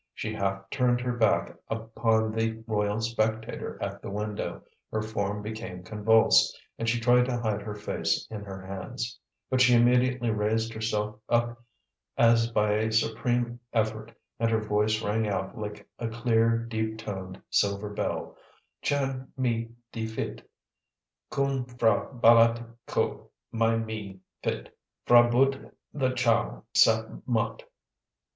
She half turned her back upon the royal spectator at the window, her form became convulsed, and she tried to hide her face in her hands. But she immediately raised herself up as by a supreme effort, and her voice rang out, like a clear, deep toned silver bell: "Chân my di phit; Khoon P'hra Bâlât ko my me phit; P'hra Buddh the Chow sap möt."